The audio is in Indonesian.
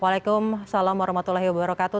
waalaikumsalam warahmatullahi wabarakatuh